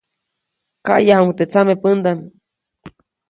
Kaʼyajuʼuŋ teʼ tsamepändaʼm.